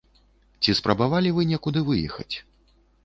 Ці спрабавалі вы некуды выехаць?